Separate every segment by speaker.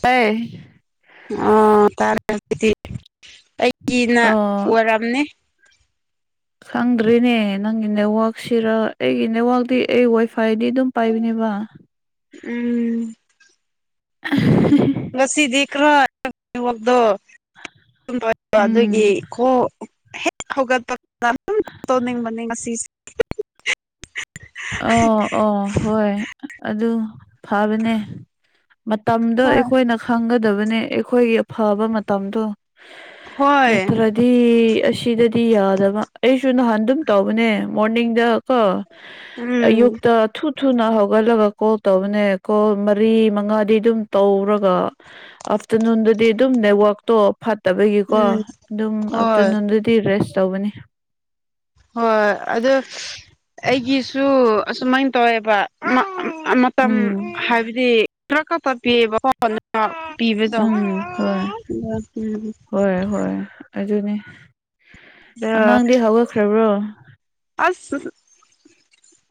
Speaker 1: ꯇꯥꯌꯦ
Speaker 2: ꯑꯣ ꯇꯥꯔꯦ ꯑꯗꯨꯗꯤ ꯑꯩꯒꯤꯅ
Speaker 1: ꯑ
Speaker 2: ꯑꯣꯏꯔꯝꯅꯦ
Speaker 1: ꯈꯪꯗ꯭ꯔꯤꯅꯦ ꯅꯪꯒꯤ ꯅꯦꯠꯋꯥꯛꯛꯁꯤꯔ ꯑꯩꯒꯤ ꯅꯦꯠꯋꯥꯛꯇꯤ ꯑꯩ ꯋꯥꯏꯐꯥꯏꯗꯤ ꯑꯗꯨꯝ ꯄꯥꯏꯕꯅꯦꯕ
Speaker 2: ꯎꯝ ꯎꯝ ꯉꯁꯤꯗꯤ ꯅꯦꯠꯋꯥꯛꯇꯣ [unintelligible] ꯑꯗꯨꯒꯤ
Speaker 1: ꯎꯝ
Speaker 2: ꯈꯣ ꯍꯦꯛ ꯍꯧꯒꯠꯄ [unintelligible] ꯇꯧꯅꯤꯡꯕꯅꯦ ꯉꯁꯤꯁꯦ
Speaker 1: ꯑꯣ ꯑꯣ ꯍꯣꯏ ꯑꯗꯨ ꯐꯥꯕꯅꯦ ꯃꯇꯝꯗꯣ
Speaker 2: ꯍꯣꯏ
Speaker 1: ꯑꯩꯈꯣꯏꯅ ꯈꯪꯒꯗꯕꯅꯦ ꯑꯩꯈꯣꯏꯒꯤ ꯐꯕ ꯃꯇꯝꯗꯣ
Speaker 2: ꯍꯣꯏ
Speaker 1: ꯅꯠꯇ꯭ꯔ ꯗꯤ ꯑꯁꯤꯗꯗꯤ ꯌꯥꯗꯕ ꯑꯩꯁꯨ ꯅꯍꯥꯟ ꯑꯗꯨꯝ ꯇꯧꯕꯅꯦ ꯃꯣꯔꯅꯤꯡ ꯗꯀꫭ
Speaker 2: ꯎꯝ
Speaker 1: ꯑꯌꯨꯛꯇ ꯊꯨꯠ ꯊꯨꯅ ꯍꯧꯒꯠꯂꯒ ꯀꯣꯜ ꯇꯧꯕꯅꯦ ꯀꯣꯜ ꯃꯔꯤ ꯃꯉꯥꯗꯤ ꯑꯗꯨꯝ ꯇꯧꯔꯒ ꯑꯐꯇꯔꯅꯨꯟꯗꯗꯤ ꯑꯗꯨꯝ ꯅꯦꯠꯋꯥꯛꯇꯣ ꯐꯠꯇꯕꯒꯤꯀꯣ
Speaker 2: ꯎꯝ
Speaker 1: ꯑꯗꯨꯝ
Speaker 2: ꯍꯣꯏ
Speaker 1: ꯑꯥꯞꯇꯔꯅꯨꯟꯗꯗꯤ ꯔꯦꯁ ꯇꯧꯕꯅꯤ
Speaker 2: ꯍꯣꯏ ꯑꯗꫭ ꯑꯩꯒꯤꯁꯨ ꯑꯁꯨꯃꯥꯏꯅ ꯇꯧꯋꯦꯕ ꯃꯇꯝ
Speaker 1: ꯎꯝ
Speaker 2: ꯍꯥꯏꯕꯗꯤ ꯈꯔ ꯈꯛꯇ ꯄꯤꯌꯦꯕꯀꫭ [unintelligible] ꯄꯤꯕꯗꫭ
Speaker 1: ꯎꯝ ꯍꯣꯏ ꯍꯣꯏ ꯍꯣꯏ ꯑꯗꯨꯅꯤ ꯑꯉꯥꯡꯗꯤ ꯍꯧꯒꯠꯈ꯭ꯔꯕ꯭ꯔꯣ
Speaker 2: ꯑꯁ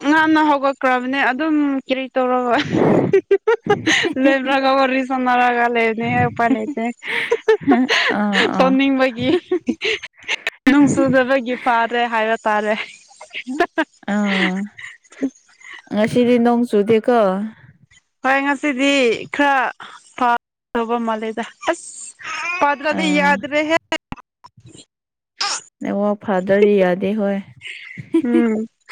Speaker 2: ꯑꯉꯥꯡꯗꫭ ꯍꯧꯒꯠꯈ꯭ꯔꯕꯅꯦ ꯑꯗꯨꯝ ꯀꯔꯤ ꯇꯧꯔꯒ [unintelligible] ꯋꯥꯔꯤ ꯁꯟꯅꯔꯒ ꯂꯩꯕꯅꯦ ꯎꯄꯥꯏ ꯂꯩꯇꯦ
Speaker 1: ꯑꯥ ꯑꯥ
Speaker 2: ꯇꯧꯅꯤꯡꯕꯒꯤ ꯅꯨꯡ ꯆꯨꯗꯕꯒꯤ ꯐꯥꯔꯦ ꯍꯥꯏꯕ ꯇꯥꯔꯦ
Speaker 1: ꯑꯥ ꯉꯁꯤꯗꯤ ꯅꫭꯡ ꯆꯨꯗꯦꯀꫭ
Speaker 2: ꯍꯣꯏ ꯉꯁꯤꯗꯤ ꯈꯔ ꯐꯗꯕ ꯃꯥꯜꯂꯦꯗ ꯑꯁ ꯄꯥꯗꯔꯗꯤ
Speaker 1: ꯑꯥ
Speaker 2: ꯌꯥꯗꯔꯦꯍꯦ
Speaker 1: ꯅꯦꯠꯋꯥꯛ ꯐꯥꯗꯔꯗꯤ ꯌꯥꯗꯦ ꯍꯣꯏ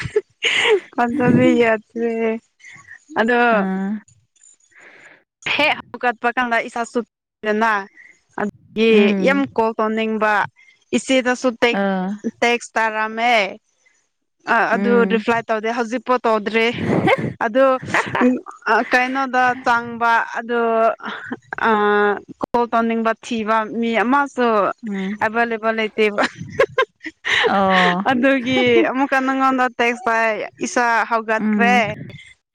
Speaker 2: ꯎꯝ [unintelligible] ꯌꯥꯗꯦ ꯑꯗꯣ
Speaker 1: ꯑꯥ
Speaker 2: ꯍꯦꯛ ꯍꯥꯎꯒꯠꯄ ꯀꯥꯟꯗ ꯏꯁꯁꯨ [unintelligible] ꯗꯅ ꯑꯗꯨꯒꯤ ꯌꯥꯝ
Speaker 1: ꯎꯝ
Speaker 2: ꯀꯣꯜ ꯇꯧꯅꯤꯡꯕ ꯏꯆꯦꯗꯁꯨ ꯇꯦꯛ
Speaker 1: ꯑꯥ
Speaker 2: ꯇꯦꯛꯁ ꯇꯥꯔꯝꯃꯦ ꯑ ꯑꯗꯨ
Speaker 1: ꯎꯝ
Speaker 2: ꯔꯤꯄ꯭ꯂꯥꯏ ꯇꯧꯗꯦ ꯍꯧꯖꯤꯛꯄꯥꯎ ꯇꯧꯗ꯭ꯔꯤ ꯑꯗꫭ ꯀꯩꯅꯣꯗ ꯆꯪ ꯄ ꯑꯗꯨ ꯑꯥ ꯀꯣꯜ ꯇꯧꯅꯤꯡꯕ ꯊꯤꯕ ꯃꯤ ꯑꯃ ꯁꯨ
Speaker 1: ꯎꯝ
Speaker 2: ꯑꯦꯚꯂꯦꯕꯜ ꯂꯩꯇꯦꯕ
Speaker 1: ꯑꯣ
Speaker 2: ꯑꯗꯨꯒꯤ ꯑꯃꯨꯛ ꯑꯃꯨꯛꯀ ꯅꯪꯉꫭꯟꯗ ꯇꯦꯛꯁ ꯊꯥꯏꯌꯦ ꯏꯆꯥ
Speaker 1: ꯎꯝ
Speaker 2: ꯍꯥꯎꯒꯠꯈꯔꯦ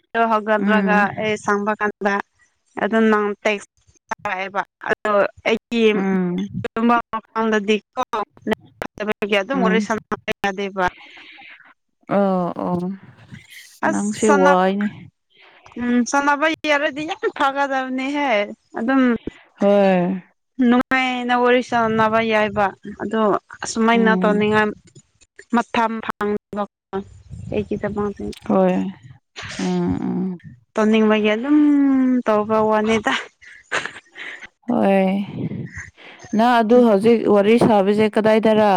Speaker 2: [unintelligible] ꯍꯥꯎꯒꯠꯔꯒ
Speaker 1: ꯎꯝ
Speaker 2: ꯑꯩ ꯁꯪꯕ ꯀꯥꯟꯗ ꯑꯗꯨꯝ ꯅꯪ ꯇꯦꯛ ꯊꯥꯔꯛꯑꯦꯕ ꯑꯗꯣ ꯑꯩ
Speaker 1: ꯎꯝ
Speaker 2: [unintelligible] ꯇꯨꯝꯕ ꯀꯥꯟꯗꯗꯤ ꯀꫭ ꯅꯕꯨꯛ ꯐꯠꯇꯕꯒꯤ ꯑꯗꯨꯝ ꯋꯥꯔꯤ ꯁꯅꯕꯥ ꯌꯥꯗꯦꯕ
Speaker 1: ꯑꫭ ꯑꯣ ꯅꯪꯁꯦ
Speaker 2: ꯑꯁ
Speaker 1: ꯋꯥꯏꯅꯦ
Speaker 2: ꯎꯝ ꯁꯥꯟꯅꯕ ꯌꯥꯔꯗꯤ ꯌꯥꯝ ꯐꯒꯗꯕꯅꯤꯍꯦ ꯑꯗꯨꯝ
Speaker 1: ꯍꯣꯏ
Speaker 2: ꯅꯨꯡꯉꯥꯏꯅ ꯋꯥꯔꯤ ꯁꯥꯟꯅꯕ ꯌꯥꯏꯕ ꯑꯗꫭ ꯑꯁꯨꯃꯥꯏꯅ
Speaker 1: ꯎꯝ
Speaker 2: ꯇꯧꯅꯤꯡꯉꯥꯏ ꯃꯇꯝ ꯐꯪꯕꯀꫭ ꯑꯩꯒꯤ [unintelligible]
Speaker 1: ꯍꯣꯏ ꯎꯝ ꯎꯝ
Speaker 2: ꯇꯧꯅꯤꯡꯕꯒꯤ ꯑꯗꯨꯝ ꯇꯧꯕ ꯋꯥꯅꯤꯗ
Speaker 1: ꯍꯣꯏ ꯅꯪ ꯑꯗꯨ ꯍꯧꯖꯤꯛ ꯋꯥꯔꯤ ꯁꯥꯕꯤꯁꯦ ꯀꯗꯥꯏꯗꯔ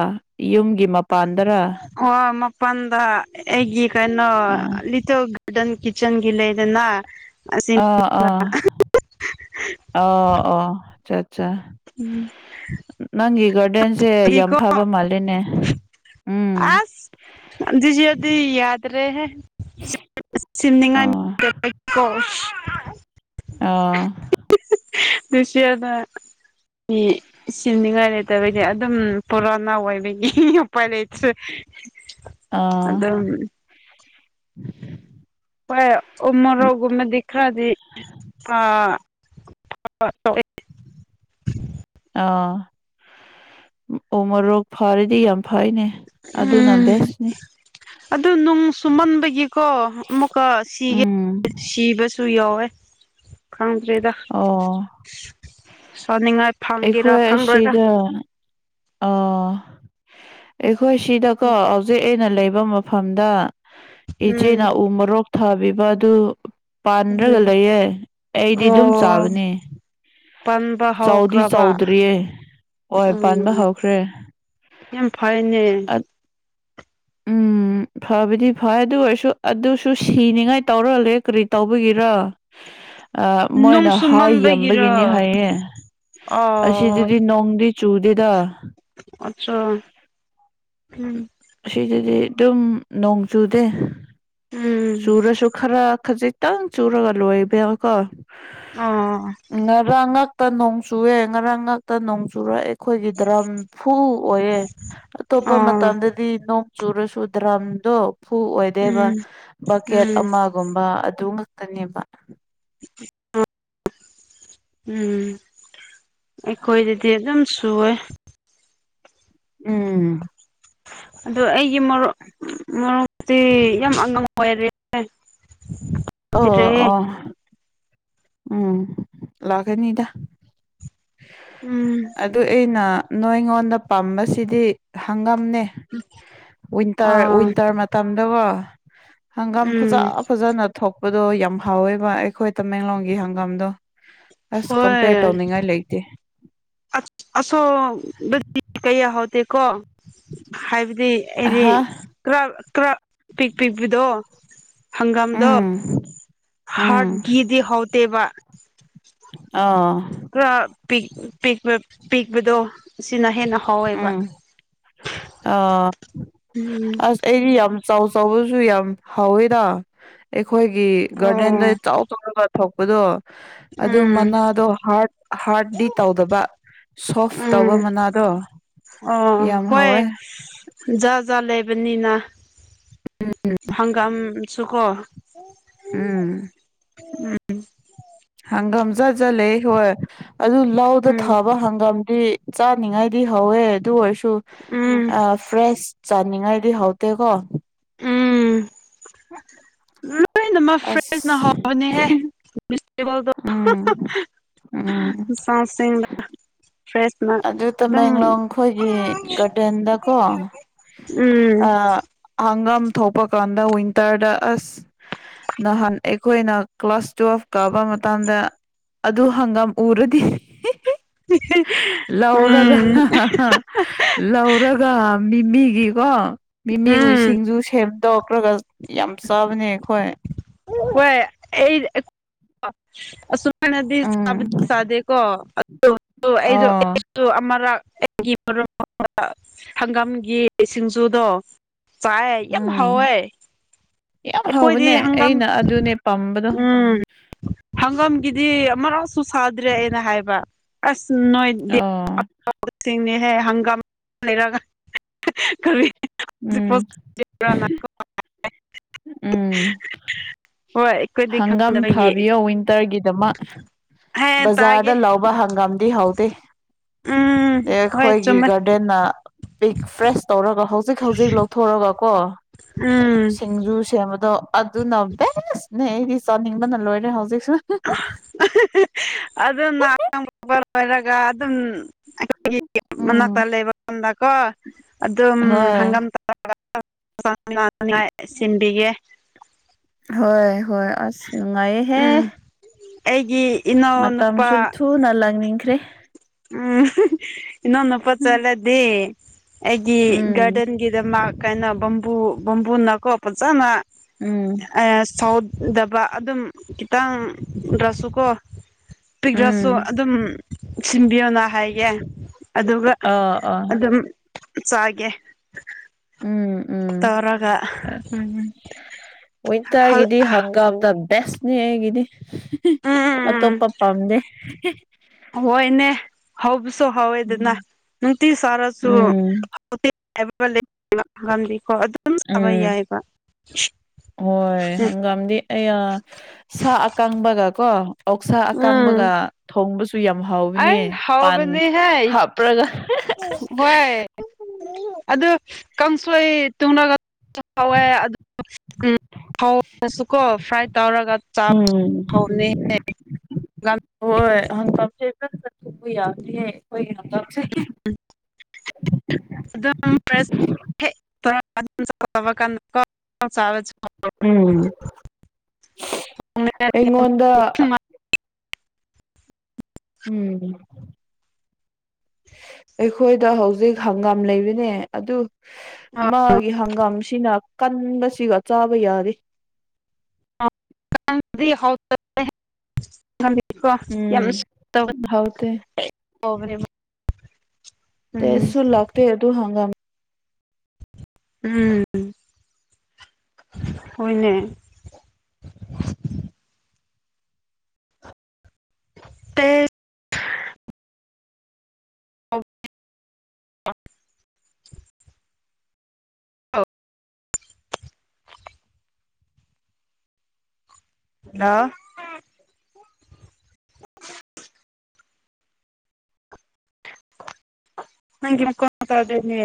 Speaker 1: ꯌꯨꯝꯒꯤ ꯃꯄꯥꯟꯗꯔ
Speaker 2: ꯑꯣ ꯃꯄꯥꯟꯗ ꯑꯩꯒꯤ ꯀꯩꯅꯣ
Speaker 1: ꯑꯥ
Speaker 2: ꯂꯤꯇꯣ ꯒ ꯗꯟ ꯀꯤꯆꯟꯒ ꯂꯩꯔꯦꯗꯅ
Speaker 1: ꯑꯥ ꯑꯥ ꯑꯣ ꯑꯣ ꯑꯠꯆꯥ ꯑꯠꯆꯥ
Speaker 2: [unintelligible]
Speaker 1: ꯅꯪꯒꯤ ꯒꯥꯔꯗꯦꯟꯁꯦ ꯌꯥꯝ
Speaker 2: ꯗꯤꯀꯣ
Speaker 1: ꯐꯥꯕ ꯃꯥꯜꯂꯦꯅꯦ ꯎꯝ
Speaker 2: ꯑꯁ ꯗꯤꯖꯤꯌꯦꯜꯗꯤ ꯌꯥꯗꯔꯍꯦ ꯁꯦꯝꯅꯤꯡꯉꯥꯏ ꯃꯤ
Speaker 1: ꯑꯥ
Speaker 2: [unintelligible] [unintelligible]
Speaker 1: ꯑꯥ
Speaker 2: [unintelligible] ꯃꯤ ꯁꯤꯅꯤꯡꯉꯥꯏ ꯂꯩꯇꯕꯗꯤ ꯑꯗꯨꯝ ꯄꯨꯔꯥꯅ ꯑꯣꯏꯕꯒꯤ ꯎꯄꯥꯏ ꯂꯩꯇꯔꯦ
Speaker 1: ꯑꯥ
Speaker 2: ꯍꯣꯏ ꯎ ꯃꯣꯔꯧꯒꯨꯝꯕꯗꯤ ꯈꯔꯗꯤ ꯑ [unintelligible]
Speaker 1: ꯑꯥ ꯎ ꯃꯔꯣꯔꯣꯛ ꯐꯔꯗꯤ ꯌꯥꯝ ꯐꯩꯅꯦ ꯑꯗꯨꯅ
Speaker 2: ꯎꯝ
Speaker 1: ꯕꯦꯁꯅꯤ
Speaker 2: ꯑꯗꯨ ꯅꯨꯡ ꯁꯨꯝꯃꯟꯕꯒꯤꯀꯣ ꯑꯃꯨꯛꯀꯥ ꯁꯤꯒꯦ
Speaker 1: ꯎꯝ
Speaker 2: ꯁꯤꯕ ꯁꯨ ꯌꯥꯎꯋꯦ ꯈꯪꯗ꯭ꯔꯦꯗ
Speaker 1: ꯑꯣ
Speaker 2: ꯁꯅꯤꯡꯉꯥꯏ ꯐꯪꯒꯦꯔꯥ ꯐꯪꯔꯣꯏꯔꯥ
Speaker 1: ꯑꯣ ꯑꯩꯈꯣꯏ ꯁꯤꯗꯀꯣ ꯍꯧꯖꯤꯛ ꯑꯩꯅ ꯂꯩꯕ ꯃꯐꯝꯗ
Speaker 2: ꯎꯝ
Speaker 1: ꯏꯆꯦꯅ ꯎ ꯃꯔꯣꯔꯣꯛ ꯊꯥꯕꯤꯕ ꯑꯗꯨ ꯄꯥꯟꯗ꯭ꯔꯒ
Speaker 2: ꯎꯝ
Speaker 1: ꯂꯩꯌꯦ ꯑꯩꯗꯤ ꯑꯗꯨꯝ
Speaker 2: ꯑꯣ
Speaker 1: ꯆꯥꯕꯅꯤ
Speaker 2: ꯄꯟꯕ ꯍꯧꯎꯈ꯭ꯔꯕ
Speaker 1: ꯆꯥꯎꯗ꯭ꯔꯤꯌꯦ ꯍꯣꯏ
Speaker 2: ꯎꯝ
Speaker 1: ꯄꯥꯟꯕ ꯍꯧꯈ꯭ꯔꯦ
Speaker 2: ꯌꯥꯝ ꯐꯩꯅꯦ
Speaker 1: ꯎꯝ
Speaker 2: [inaudible]
Speaker 1: ꯐꯕꯗꯤ ꯐꯩ ꯑꯗꯨ ꯑꯣꯏꯔꯁꯨ ꯑꯗꯨꯁꯨ ꯁꯤꯅꯤꯉꯥꯏ ꯇꯧꯔꯜꯂꯦ ꯀꯔꯤ ꯇꯧꯕꯒꯤꯔ
Speaker 2: [inaudible]
Speaker 1: ꯑꯥ
Speaker 2: ꯅꯨꯡ
Speaker 1: ꯃꯣꯏꯅ ꯍꯥꯔ ꯌꯝꯕꯒꯤꯅꯤ
Speaker 2: ꯆꯨꯃꯟꯕꯒꯤꯔꯣ
Speaker 1: ꯍꯥꯏꯌꯦ
Speaker 2: ꯑꯣ
Speaker 1: ꯑꯁꯤꯗꯗꯤ ꯅꯣꯡꯗꯤ ꯆꯨꯗꯦꯗ
Speaker 2: ꯑꯆꯥ ꯎꯝ
Speaker 1: ꯁꯤꯗꯗꯤ ꯑꯗꯨꯝ ꯅꯣꯡ ꯆꯨꯗꯦ
Speaker 2: ꯎꯝ
Speaker 1: ꯆꯨꯔꯁꯨ ꯈꯔ ꯈꯖꯤꯛ ꯈꯤꯇꯪ ꯆꯨꯔꯒ ꯂꯣꯏꯕ ꯌꯥꯎꯋꯦꯀꯣ
Speaker 2: ꯑꯣ
Speaker 1: ꯉꯔꯥꯡ ꯉꯥꯛ ꯇꯥ ꯅꯣꯡ ꯆꯨꯑꯦ ꯉꯔꯥꯡ ꯉꯥꯛꯇ ꯅꯣꯡ ꯆꯨꯔꯛꯑꯦ ꯑꯩꯈꯣꯏꯒꯤ ꯗꯔꯝ ꯐꯨ ꯑꯣꯏꯌꯦ ꯑꯇꯣꯞꯄ
Speaker 2: ꯑꯣ
Speaker 1: ꯃꯇꯝꯗꯗꯤ ꯅꯣꯡ ꯆꯨꯔꯁꯨ ꯗ꯭ꯔꯝꯗꯣ ꯐꯨ ꯑꯣꯏꯗꯦꯕ
Speaker 2: ꯎꯝ
Speaker 1: ꯕꯀꯦꯠ
Speaker 2: ꯎꯝ
Speaker 1: ꯑꯃ ꯒꯨꯨꯝꯕ ꯑꯗꯨ ꯉꯛꯇꯅꯦꯕ
Speaker 2: ꯎꯝ ꯎꯝ ꯑꯩꯈꯣꯏꯗꯗꯤ ꯑꯗꯨꯝ ꯆꯨꯋꯦ
Speaker 1: ꯎꯝ
Speaker 2: ꯑꯗꯣ ꯑꯩꯒꯤ ꯃꯔꯣꯛ ꯃꯔꯣꯛꯇꯤ ꯌꯥꯝ ꯑꯉꯝ ꯑꯣꯏꯔꯦ [inaudible]
Speaker 1: ꯑꯣ ꯑꯣ ꯎꯝ ꯂꯥꯛꯒꯦꯅꯤꯗ
Speaker 2: ꯎꯝ
Speaker 1: ꯑꯗꯨ ꯑꯩꯅ ꯅꯣꯏ ꯑꯩꯉꯣꯟꯗ ꯄꯥꯝꯕꯁꯤꯗꯤ ꯍꯪꯉꯝꯅꯦ ꯋꯤꯟꯇꯔ
Speaker 2: ꯑꯥ
Speaker 1: ꯋꯤꯟꯇꯔ ꯃꯇꯝꯗꯀꯣ ꯍꯪꯒꯥꯝ ꯐꯖ
Speaker 2: ꯎꯝ
Speaker 1: ꯐꯖꯅ ꯊꯣꯛꯄꯗꯣ ꯌꯥꯝ ꯍꯥꯎꯋꯦꯕ ꯑꯩꯈꯣꯏ ꯇꯃꯦꯡꯂꯣꯡ ꯒꯤ ꯍꯪꯒꯥꯝꯗꯣ ꯑꯁ ꯀꯝꯄꯦꯌꯔ
Speaker 2: ꯍꯣꯏ
Speaker 1: ꯇꯧꯅꯤꯡꯉꯥꯏ ꯂꯩꯇꯦ
Speaker 2: ꯑꯁꯣꯕꯗꯤ ꯀꯩꯌꯥꯍꯧꯗꯦꯀꯣ ꯍꯥꯏꯕꯗꯤ ꯑꯩꯗꯤ
Speaker 1: ꯑꯍꯥ
Speaker 2: ꯀꯔꯥ ꯀꯔꯥ ꯄꯤꯛ ꯄꯤꯛꯄꯗꯣ ꯍꯪꯒꯥꯝꯗꯣ
Speaker 1: ꯎꯝ ꯎꯝ
Speaker 2: ꯍꯥꯔꯠꯀꯤꯗꯤ ꯍꯥꯎꯇꯦꯕ
Speaker 1: ꯑꯥ
Speaker 2: ꯀꯔꯥ ꯄꯤꯛ ꯄꯤꯛꯄ ꯄꯤꯛꯄꯗꯣ ꯁꯤꯅ ꯍꯦꯟꯅ ꯍꯥꯎꯋꯦꯕ
Speaker 1: ꯎꯝ ꯑ
Speaker 2: ꯎꯝ
Speaker 1: ꯑꯁ ꯑꯩꯗꯤ ꯌꯥꯝ ꯆꯥꯎ ꯆꯥꯎꯕꯁꯨ ꯌꯥꯝ ꯍꯥꯎꯋꯦꯗ ꯑꯩꯈꯣꯏꯒꯤ ꯒꯥꯔꯗꯦꯟꯗ
Speaker 2: ꯑꯣ
Speaker 1: ꯆꯥꯎ ꯇꯧꯔꯒ ꯊꯛꯄꯗꯣ ꯑꯗꯨ
Speaker 2: ꯎꯝ
Speaker 1: ꯃꯅꯥꯗꯣ ꯍꯥꯔꯠ ꯍꯥꯔꯠꯗꯤ ꯇꯧꯗꯕ ꯁꯣꯐ ꯇꯧꯕ
Speaker 2: ꯎꯝ
Speaker 1: ꯃꯅꯥꯗꯣ
Speaker 2: ꯑꯣ
Speaker 1: ꯌꯥꯝ
Speaker 2: ꯍꯣꯏ
Speaker 1: ꯍꯥꯎꯋꯦ
Speaker 2: ꯖꯥꯠ ꯖꯥꯠ ꯂꯩꯕꯅꯤꯅ ꯐꯪꯒꯥꯝꯁꯨꯀꯣ
Speaker 1: ꯎꯝ
Speaker 2: ꯎꯝ
Speaker 1: ꯍꯪꯒꯥꯝ ꯖꯥꯠ ꯖꯥꯠ ꯂꯩꯌꯦ ꯍꯣꯏ ꯑꯗꯨ ꯂꯧꯗꯥ
Speaker 2: ꯎꯝ
Speaker 1: ꯊꯥꯕ ꯍꯪꯒꯥꯝꯗꯤ ꯆꯥꯅꯤꯉꯥꯏꯗꯤ ꯍꯧꯋꯦ ꯑꯗꯨ ꯑꯣꯏꯔꯁꯨ
Speaker 2: ꯎꯝ
Speaker 1: ꯑꯥ ꯐ꯭ꯔꯦꯁ ꯆꯥ ꯅꯤꯡꯉꯥꯏꯗꯤ ꯍꯥꯎꯇꯦꯒꯣ
Speaker 2: ꯎꯝ ꯂꯣꯏꯅꯃꯛ ꯐ꯭ꯔꯦꯁꯅ
Speaker 1: ꯑꯁ
Speaker 2: ꯍꯥꯎꯕꯅꯤꯍꯦ ꯚꯤꯖꯤꯇꯦꯕꯜꯗꯣ
Speaker 1: ꯎꯝ ꯎꯝ
Speaker 2: [unintelligible] ꯐ꯭ꯔꯦꯁ
Speaker 1: ꯑꯗꯨ ꯇꯃꯦꯡꯂꯣꯡ ꯈꯣꯏꯒꯤ ꯒꯥꯔꯗꯦꯟꯗꯀꯣ
Speaker 2: ꯎꯝ
Speaker 1: ꯑꯥ ꯍꯪꯒꯥꯝ ꯊꯣꯛꯄ ꯀꯥꯟꯗ ꯋꯤꯟꯇꯔꯗ ꯑꯁ ꯅꯍꯥꯟ ꯑꯩꯈꯣꯏꯅ ꯀ꯭ꯂꯥꯁ ꯇꯨꯌꯦꯜꯐ ꯀꯥꯕ ꯃꯇꯝꯗ ꯑꯗꯨ ꯍꯪꯒꯥꯝ ꯎꯔꯗꯤ
Speaker 2: [unintelligible]
Speaker 1: ꯂꯧꯔꯒ
Speaker 2: ꯎꯝ
Speaker 1: ꯂꯧꯔꯒ ꯃꯤꯃꯤꯒꯤꯀꯣ ꯃꯤꯃꯤ
Speaker 2: ꯎꯝ
Speaker 1: ꯎꯏꯁꯤꯡꯖꯨ ꯁꯦꯝꯗꯣꯛꯈ꯭ꯔꯒ ꯌꯥꯝ ꯆꯥꯕꯅꯦ ꯑꯩꯈꯣꯏ
Speaker 2: ꯍꯣꯏ ꯑꯩ [unintelligible] ꯑꯁꯨꯃꯥꯏꯅꯗꯤ
Speaker 1: ꯎꯝ
Speaker 2: ꯆꯥꯕꯗꯤ ꯆꯥꯗꯦꯀꯣ
Speaker 1: ꯑꯣ
Speaker 2: [unintelligible] ꯇꯨ ꯑꯃꯥꯔꯛ ꯑꯩꯒꯤ ꯃꯔꯨꯞ [unintelligible] ꯍꯪꯒꯥꯝꯒꯤ ꯁꯤꯡꯖꯨꯗꯣ ꯆꯥꯏ ꯌꯥꯝ
Speaker 1: ꯎꯝ
Speaker 2: ꯍꯥꯎꯋꯦ
Speaker 1: ꯌꯥꯝ
Speaker 2: ꯑꯩꯈꯣꯏꯗꯤ
Speaker 1: ꯍꯥꯎꯕꯅꯦ
Speaker 2: ꯍꯪꯒꯥꯝ
Speaker 1: ꯑꯩꯅ ꯑꯗꯨꯅꯦ ꯄꯝꯕꯗꯣ
Speaker 2: ꯎꯝ ꯍꯪꯒꯥꯝꯒꯤꯗꯤ ꯑꯃꯔꯛꯁꯨ ꯁꯥꯗ꯭ꯔꯦꯑꯦꯅ ꯍꯥꯏꯕ ꯑꯁ ꯅꯣꯏ
Speaker 1: ꯑꯣ
Speaker 2: [unintelligible] ꯁꯤꯡꯅꯦꯍꯦ ꯍꯪꯒꯥꯝ ꯂꯩꯔꯒ ꯀꯔꯤ
Speaker 1: ꯎꯝ
Speaker 2: [unintelligible]
Speaker 1: ꯎꯝ
Speaker 2: ꯍꯣꯏ ꯑꯩꯈꯣꯏꯗꯤ
Speaker 1: ꯍꯪꯒꯥꯝ
Speaker 2: ꯈꯪꯗꯕꯒꯤ
Speaker 1: ꯊꯥꯕꯤꯌꯣ ꯋꯤꯟꯇꯔꯒꯤꯗꯃꯛ
Speaker 2: ꯍꯦ ꯇꯥꯒꯦ
Speaker 1: ꯕꯖꯥꯔꯗ ꯂꯧꯕ ꯍꯪꯒꯥꯝꯗꯤ ꯍꯥꯎꯇꯦ
Speaker 2: ꯎꯝ ꯍꯣꯏ
Speaker 1: ꯑꯩꯈꯣꯏꯒꯤ
Speaker 2: ꯆꯨꯝꯃꯦ
Speaker 1: ꯒꯥꯔꯗꯦꯟꯅ ꯕꯤꯛ ꯐ꯭ꯔꯦꯁ ꯇꯧꯔꯒ ꯍꯧꯖꯤꯛ ꯍꯧꯖꯤꯛ ꯂꯧꯊꯣꯔꯒ ꯀꯣ
Speaker 2: ꯎꯝ
Speaker 1: ꯁꯤꯡꯖꯨ ꯁꯦꯝꯕꯗꯣ ꯑꯗꯨꯅ ꯕꯦꯁꯅꯦ ꯑꯩꯗꯤ ꯆꯥꯅꯤꯡꯕꯅ ꯂꯣꯏꯔꯦ ꯍꯧꯖꯤꯛꯁꯨ
Speaker 2: [unintelligible] ꯑꯗꯨꯅ [unintelligible] ꯂꯣꯏꯔꯒ ꯑꯗꯨꯝ ꯑꯩꯈꯣꯏꯒꯤ
Speaker 1: ꯎꯝ
Speaker 2: ꯃꯅꯥꯛꯇ ꯂꯩꯕ ꯈꯨꯗꯀꯣ ꯑꯗꯨꯝ
Speaker 1: ꯍꯣꯏ
Speaker 2: ꯍꯪꯒꯥꯝ [unintelligible] ꯁꯤꯟꯕꯤꯒꯦ
Speaker 1: ꯍꯣꯏ ꯍꯣꯏ ꯑꯁ ꯅꯨꯡꯉꯥꯏꯌꯦꯍꯦ
Speaker 2: ꯎꯝ ꯑꯩꯒꯤ ꯏꯅꯥꯎꯅꯨꯄꯥ
Speaker 1: ꯃꯇꯝꯁꯨ ꯊꯨꯅ ꯂꯥꯛꯅꯤꯡꯈ꯭ꯔꯦ
Speaker 2: ꯎꯝ ꯏꯅꯥꯎꯅꯨꯄꯥ ꯆꯠꯂꯗꯤ ꯑꯩꯒꯤ
Speaker 1: ꯎꯝ
Speaker 2: ꯒꯥꯔꯗꯦꯟꯒꯤꯗꯃꯛ ꯀꯥꯏꯅ ꯕꯝꯕꯨ ꯕꯝꯕꯨꯅꯀꯣ ꯐꯖꯅ
Speaker 1: ꯎꯝ
Speaker 2: ꯑꯥ ꯁꯥꯎꯠ ꯗꯕ ꯑꯗꯨꯝ ꯈꯤꯇꯪꯗ꯭ꯔꯁꯨꯀꯣ ꯄꯤꯛꯈ꯭ꯔꯁꯨ
Speaker 1: ꯎꯝ
Speaker 2: ꯑꯗꯨꯝ ꯁꯤꯟꯕꯤꯌꯣꯅ ꯍꯥꯏꯒꯦ ꯑꯗꯨꯒ
Speaker 1: ꯑꯥ ꯑꯥ
Speaker 2: ꯑꯗꯨꯝ ꯆꯥꯒꯦ
Speaker 1: ꯎꯝ ꯎꯝ
Speaker 2: ꯇꯧꯔꯒ
Speaker 1: ꯋꯤꯟꯇꯔꯒꯤꯗꯤ ꯍꯒꯥꯝꯗ ꯕꯦꯁꯅꯤ ꯑꯩꯒꯤꯗꯤ
Speaker 2: ꯎꯝ
Speaker 1: ꯑꯇꯣꯞꯄ ꯄꯥꯝꯗꯦ
Speaker 2: ꯍꯣꯏꯅꯦ ꯍꯥꯎꯕꯁꯨ ꯍꯥꯎꯏꯗꯥꯅ
Speaker 1: ꯎꯝ
Speaker 2: ꯅꯨꯡꯇꯤ ꯆꯥꯔꯁꯨ
Speaker 1: ꯎꯝ
Speaker 2: [unintelligible] ꯍꯪꯒꯥꯝꯗꯤꯀꯣ ꯑꯗꯨꯝ ꯁꯥꯕ
Speaker 1: ꯎꯝ
Speaker 2: ꯌꯥꯏꯕ
Speaker 1: ꯍꯣꯏ
Speaker 2: ꯎꯝ
Speaker 1: ꯍꯪꯒꯥꯝꯗꯤ ꯑꯩꯌꯥ ꯁꯥ ꯑꯀꯪꯕꯒ ꯀꯣ ꯑꯣꯛꯁꯥ ꯑꯀꯪꯕꯒ
Speaker 2: ꯎꯝ
Speaker 1: ꯊꯣꯡꯕꯁꯨ ꯁꯨ ꯌꯥꯝ
Speaker 2: ꯑꯩ
Speaker 1: ꯍꯥꯎꯕꯅꯦ ꯄꯥꯟ
Speaker 2: ꯍꯥꯎꯕꯅꯤꯍꯦ
Speaker 1: ꯍꯥꯞꯄ꯭ꯔꯒ
Speaker 2: ꯍꯣꯏ ꯑꯗꯨ ꯀꯥꯡꯁꯣꯏ ꯇꯨꯡꯂꯒ ꯍꯧꯋꯦ [unintelligible] ꯐ꯭ꯔꯥꯏ ꯇꯧꯔꯒ ꯆꯥꯕ
Speaker 1: ꯎꯝ
Speaker 2: [unintelligible]
Speaker 1: ꯍꯣꯏ ꯍꯪꯀꯝꯁꯦ ꯐꯟꯅ ꯊꯨꯕ ꯌꯥꯗꯦꯍꯦ ꯑꯩꯈꯣꯏꯒꯤ ꯍꯥꯡꯀꯝꯁꯦ
Speaker 2: [unintelligible] [inaudible]
Speaker 1: ꯎꯝ ꯑꯩꯉꯣꯟꯗ꯫ ꯎꯝ꯫ ꯑꯩꯈꯣꯏꯗ ꯍꯧꯖꯤꯛ ꯍꯪꯒꯥꯝ ꯂꯩꯕꯅꯦ ꯑꯗꯨ ꯃꯥꯒꯤ ꯍꯪꯒꯥꯝꯁꯤꯅ ꯀꯟꯕꯁꯤꯒ ꯆꯥꯕ ꯌꯥꯔꯤ꯫ ꯎꯝ ꯍꯥꯎꯇꯦ
Speaker 2: [unintelligible] [unintelligible] ꯎꯝ
Speaker 1: ꯇꯦꯁꯁꯨꯨ ꯂꯥꯛꯇꯦ ꯑꯗꯨ ꯍꯪꯒꯥ
Speaker 2: ꯎꯝ ꯍꯣꯏꯅꯦ꯫ ꯇꯦ [inaudible] [unintelligible] ꯗꯥ [unintelligible] [inaudible] ꯀꯩꯒꯤꯅꯣ ꯀꯣꯏꯠ ꯇꯧꯔꯛꯇꯣꯏꯁꯦ